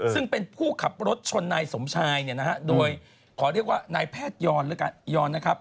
ซึ่งเป็นผู้ขับรถชนนายสมชายขอเรียกว่านายแพทยอนนะครับ